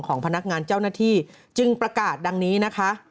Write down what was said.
พนักงานเจ้าหน้าที่จึงประกาศดังนี้นะคะ